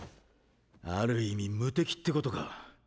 ある意味無敵ってことか。